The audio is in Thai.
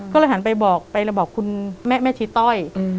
ก็เลยหันไปบอกไปบอกคุณแม่ชีต้อย